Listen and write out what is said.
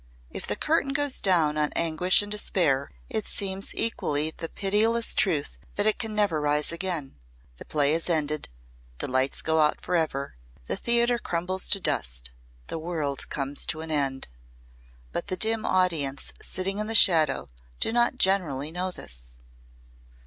If the curtain goes down on anguish and despair it seems equally the pitiless truth that it can never rise again; the play is ended; the lights go out forever; the theatre crumbles to dust; the world comes to an end. But the dim audience sitting in the shadow do not generally know this.